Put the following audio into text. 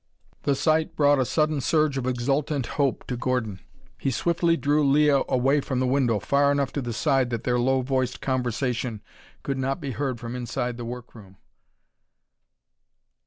The sight brought a sudden surge of exultant hope to Gordon. He swiftly drew Leah away from the window, far enough to the side that their low voiced conversation could not be heard from inside the work room.